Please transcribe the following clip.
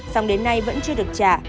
xong đến nay vẫn chưa được trả